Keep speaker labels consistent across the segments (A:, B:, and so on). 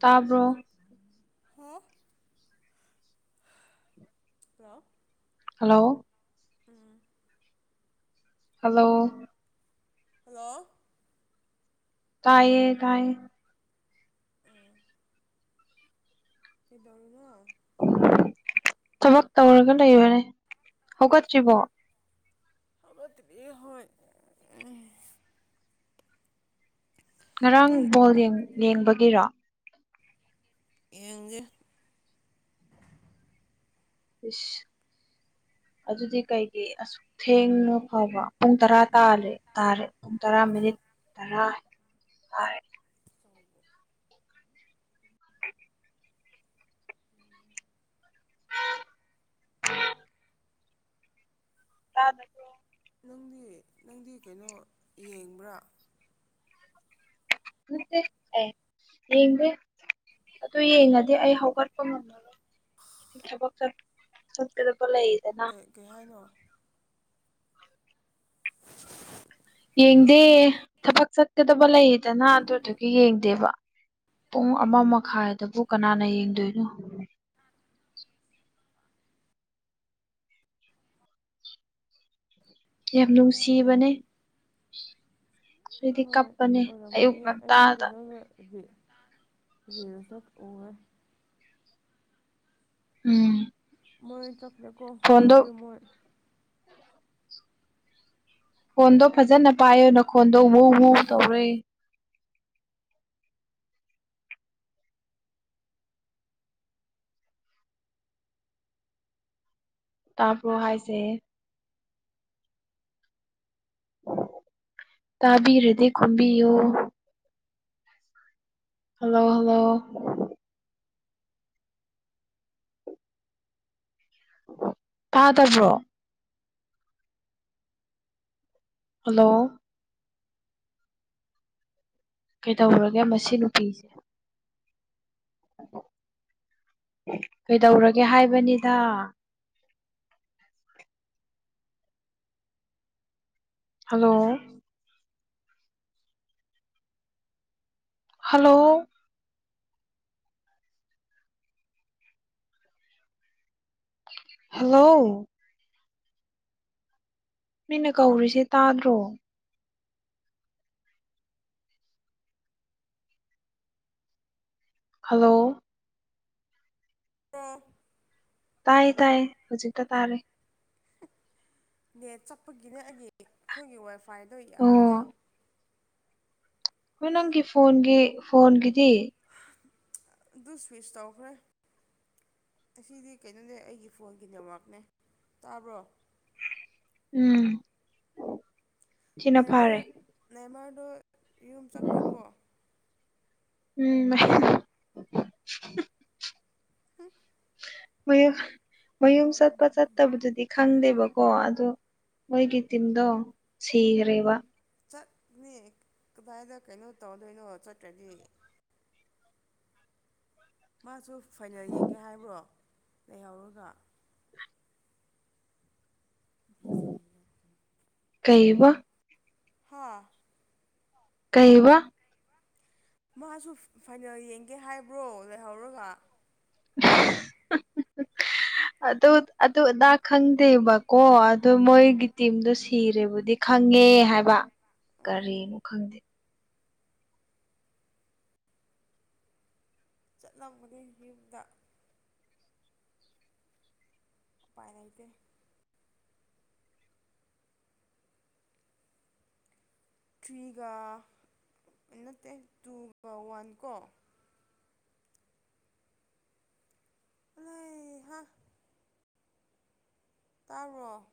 A: ꯇꯥꯕ꯭ꯔꯣ
B: pro
A: hello
B: ꯎꯝ
A: hello
B: hello
A: ꯇꯥꯏꯌꯦ ꯇꯥꯏꯌꯦ
B: ꯎꯝ ꯀꯩꯗꯧꯔꯤꯅꯣ
A: ꯊꯕꯛ ꯇꯧꯔꯒ ꯂꯩꯕꯅꯦ ꯍꯧꯒꯠꯇ꯭ꯔꯤꯕꯣ
B: ꯍꯧꯒꯠꯇ꯭ꯔꯤꯌꯦ ꯍꯣꯏ ꯑꯦ
A: ꯉꯔꯥꯡ
B: ꯇꯨꯝ
A: ꯕꯣꯜ ꯌꯦꯡ ꯌꯦꯡꯕꯒꯤꯔꯣ
B: ꯌꯦꯡꯗꯦ
A: ꯏꯁ ꯑꯗꯨꯗꯤ ꯀꯩꯒꯤ ꯑꯁ ꯊꯦꯡꯅ ꯐꯥꯎꯕ ꯄꯨꯡ ꯇꯔꯥ ꯇꯔꯦ ꯇꯔꯦ ꯄꯨꯡ ꯇꯔꯥ ꯃꯤꯅꯤꯠ ꯇꯔꯥ ꯍꯥꯏ
B: ꯆꯥꯎꯕ
A: ꯇꯥꯗ
B: ꯅꯪꯗꯤ ꯅꯪꯗꯤ ꯀꯩꯅꯣ ꯌꯦꯡꯕ꯭ꯔꯥ
A: ꯅꯠꯇꯦ ꯑꯩ ꯌꯦꯡꯗꯦ ꯑꯗꯨ ꯌꯦꯡꯉꯗꯤ ꯑꯩ ꯍꯧꯒꯠꯄ ꯉꯝꯂꯔꯣꯏ ꯊꯕꯛ ꯆꯥꯠ ꯆꯥꯠꯀꯗꯕ ꯂꯩꯌꯦꯗꯅ
B: ꯑꯦ ꯀꯩ ꯍꯥꯏꯅꯣ
A: ꯌꯦꯡꯗꯦ ꯊꯕꯛ ꯆꯠꯀꯗꯕ ꯂꯩꯌꯦꯗꯅ ꯑꯗꯨꯗꯨꯒꯤ ꯌꯦꯡꯗꯦꯕ ꯄꯨꯡ ꯑꯃ ꯃꯈꯥꯏꯗꯕꯨ ꯀꯅꯥꯅ ꯌꯦꯡꯗꯣꯏꯅꯣ ꯌꯥꯝ ꯅꯨꯡꯁꯤꯕꯅꯦ ꯑꯗꯨꯗꯤ ꯀꯞ
B: ꯑꯣꯔꯝꯒꯅꯤꯌꯦ ꯑꯩꯖꯨ ꯀꯩꯅꯣꯒꯤ ꯔꯤꯜꯁꯇ ꯎꯋꯦ
A: ꯎꯝ
B: ꯃꯣꯏ ꯆꯠꯈ꯭ꯔꯦꯀꯣ
A: ꯐꯣꯟꯗꯣ
B: ꯕꯖꯤ ꯃꯣꯏ
A: ꯐꯣꯟꯗꯣ ꯐꯖꯅ ꯄꯥꯏꯌꯣ ꯅꯈꯣꯟꯗꯣ ꯍꯧ ꯍꯧ ꯇꯧꯔꯦ ꯇꯥꯕ꯭ꯔꯣ ꯍꯥꯏꯖꯦ ꯇꯥꯕꯤꯔꯗꯤ ꯈꯨꯝꯕꯤꯌꯨ ꯍꯜꯂꯣ ꯍꯜꯂꯣ ꯇꯥꯗꯕ꯭ꯔꯣ ꯍꯜꯂꯣ ꯀꯩꯗꯧꯔꯒꯦ ꯃꯁꯤ ꯅꯨꯄꯤꯖꯦ ꯀꯩꯗꯧꯔꯒꯦ ꯍꯥꯏꯕꯅꯤꯗ ꯍꯜꯂꯣ ꯍꯜꯂꯣ ꯍꯜꯂꯣ ꯃꯤꯅ ꯀꯧꯔꯤꯖꯦ ꯇꯥꯗ꯭ꯔꯣ ꯍꯜꯂꯣ
B: [unintelligible]
A: ꯇꯥꯏꯌꯦ ꯇꯥꯏꯌꯦ ꯍꯧꯖꯤꯛꯇ ꯇꯥꯔꯦ
B: ꯅꯦꯠ ꯆꯠꯄꯒꯤꯅꯦ ꯑꯩꯒꯤ ꯈꯣꯏꯒꯤ ꯋꯥꯏꯐꯥꯏꯗꯣ ꯌꯥꯗꯦ
A: ꯑꯣ ꯗꯨ ꯅꯪꯒꯤ ꯐꯣꯟꯒꯤ ꯐꯣꯟꯒꯤꯗꯤ
B: ꯗꯨ ꯁ꯭ꯋꯤꯁ ꯇꯧꯈ꯭ꯔꯦ ꯑꯁꯤꯗꯤ ꯀꯩꯅꯣꯅꯦ ꯑꯩꯒꯤ ꯐꯣꯟꯒꯤ ꯅꯦꯠꯋꯥꯛꯅꯦ ꯇꯥꯕ꯭ꯔꯣ
A: ꯎꯝ ꯁꯤꯅ
B: ꯅꯏꯃꯔ
A: ꯐꯥꯔꯦ
B: ꯅꯏꯃꯔꯗꯣ ꯌꯨꯝ ꯆꯠꯈ꯭ꯔꯦꯀꯣ
A: ꯎꯝ [unintelligible] ꯃꯌꯨꯝ ꯃꯌꯨꯝ ꯆꯠꯄ ꯆꯠꯇꯕꯗꯨꯗꯤ ꯈꯪꯗꯦꯕꯀꯣ ꯑꯗꯨ ꯃꯣꯏꯒꯤ ꯇꯤꯝꯗꯣ ꯁꯤꯒ꯭ꯔꯦꯕ
B: ꯆꯠꯅꯤ ꯀꯗꯥꯏꯗ ꯀꯩꯅꯣ ꯇꯧꯗꯣꯏꯅꯣ ꯆꯠꯇ꯭ꯔꯗꯤ ꯃꯥꯁꯨ ꯐꯥꯏꯅꯦꯜ ꯌꯦꯡꯒꯦ ꯍꯥꯏꯕ꯭ꯔꯣ ꯂꯩꯍꯧꯔꯒ ꯄꯤꯖꯕꯩꯉꯥꯛꯇ
A: ꯀꯩꯑꯕ
B: ꯍꯥꯥ
A: ꯀꯩꯕ
B: ꯃꯥꯁꯨ ꯐꯥꯏꯅꯦꯜ ꯌꯦꯡꯒꯦ ꯍꯥꯏꯕ꯭ꯔꯣ ꯂꯩꯍꯧꯔꯒ
A: [unintelligible] ꯑꯗꯨ ꯑꯗꯨ ꯑꯗꯥ ꯈꯪꯗꯦꯕꯀꯣ ꯑꯗꯨ ꯃꯣꯏꯒꯤ ꯇꯤꯝꯗꯣ ꯁꯤꯔꯦꯕꯨꯗꯤ ꯈꯪꯉꯦ ꯍꯥꯏꯕ
B: ꯑꯣ
A: ꯀꯔꯤꯅꯣ ꯈꯪꯗꯦ
B: ꯆꯠꯂꯝꯒꯅꯤ ꯌꯨꯝꯗ ꯎꯄꯥꯏ ꯂꯩꯇꯦ ꯊ꯭ꯔꯤꯒ ꯅꯠꯇꯦ ꯇꯨꯒ ꯋꯥꯟ ꯀꯣ ꯂꯩ ꯍ ꯇꯥꯕ꯭ꯔꯣ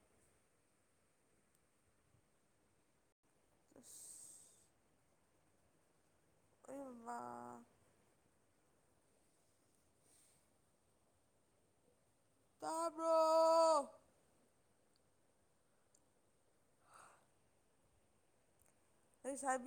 B: ꯑꯁ ꯑꯌꯣꯃꯥ ꯇꯥꯕ꯭ꯔꯣ ꯂꯩꯁꯥꯕꯤ